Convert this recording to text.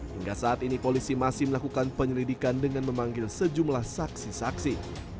hingga saat ini polisi masih melakukan penyelidikan dengan memanggil sejumlah saksi saksi